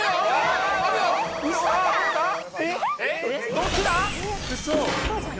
どっちだ？